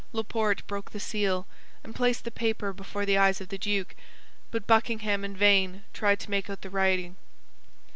Laporte broke the seal, and placed the paper before the eyes of the duke; but Buckingham in vain tried to make out the writing.